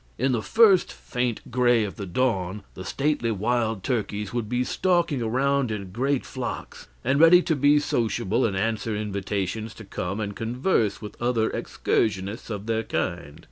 In the first faint gray of the dawn the stately wild turkeys would be stalking around in great flocks, and ready to be sociable and answer invitations to come and converse with other excursionists of their kind.